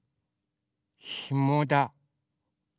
ひもだ。